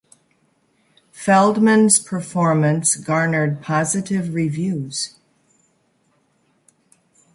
Feldman's performance garnered positive reviews.